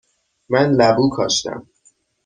من لبو کاشتم.